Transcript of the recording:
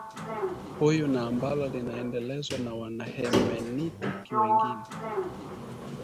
huyu na ambalo linaendelezwa na wana - hemenitiki wengine